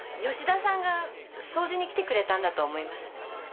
吉田さんが掃除に来てくれたんだと思います。